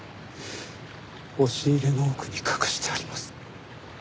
押し入れの奥に隠してあります。